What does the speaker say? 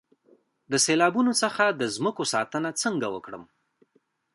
د سیلابونو څخه د ځمکو ساتنه څنګه وکړم؟